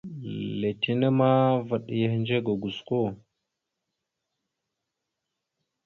Letine ma, vaɗ ya ehədze ga gosko.